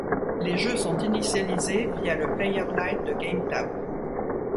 Les jeux sont initialisés via le player lite de GameTap.